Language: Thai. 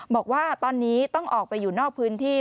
บอกว่าตอนนี้ต้องออกไปอยู่นอกพื้นที่